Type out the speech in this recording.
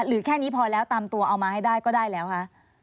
แค่นี้พอแล้วตามตัวเอามาให้ได้ก็ได้แล้วคะ